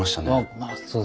まあそうですね。